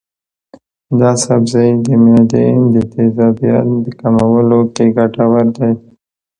دا سبزی د معدې د تیزابیت کمولو کې ګټور دی.